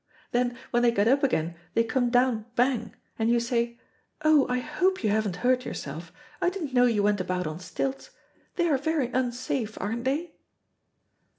Then, when they get up again they come down 'Bang,' and you say: 'Oh, I hope you haven't hurt yourself. I didn't know you went about on stilts. They are very unsafe, aren't they?'"